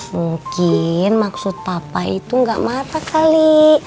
mungkin maksud papa itu gak marah kali